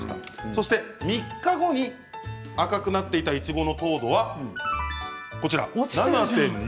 そして３日後に赤くなっていたいちごの糖度はこちら、７．２５％。